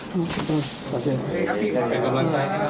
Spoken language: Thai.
เป็นกำลังใจให้โอเคนะครับ